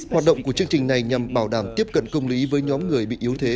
hoạt động của chương trình này nhằm bảo đảm tiếp cận công lý với nhóm người bị yếu thế